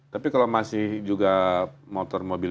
tapi kalau masih juga motor mobil